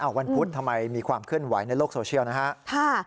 อ้าววันพุธทำไมมีความขึ้นหวายในโลกโซเชียลนะฮะ